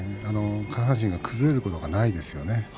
下半身が崩れるところがないですよね。